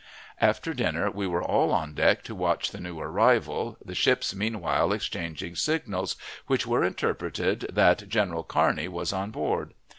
After dinner we were all on deck to watch the new arrival, the ships meanwhile exchanging signals, which were interpreted that General Kearney was on board.